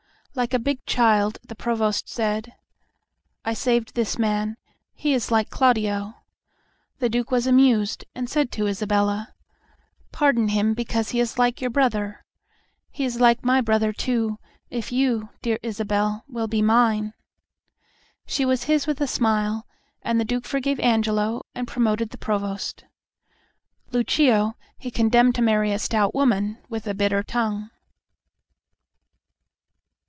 Like a big child the Provost said, "I saved this man; he is like Claudio." The Duke was amused, and said to Isabella, "I pardon him because he is like your brother. He is like my brother, too, if you, dear Isabel, will be mine." She was his with a smile, and the Duke forgave Angelo, and promoted the Provost. Lucio he condemned to marry a stout woman with a bitter tongue.